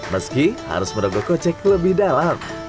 meski harus merogoh kocek lebih dalam